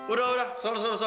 udah udah sudah sudah sudah